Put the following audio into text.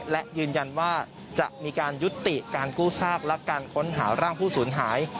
และยืนยันว่าจะมีการยุติการกู้ซากและการค้นหาร่างผู้สูญหาย